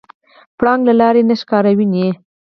پړانګ له لرې نه ښکار ویني.